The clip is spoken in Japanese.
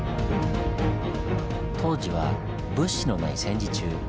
当時は物資のない戦時中。